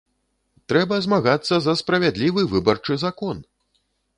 Трэба змагацца за справядлівы выбарчы закон!